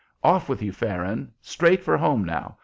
"Off with you, Farron! Straight for home now.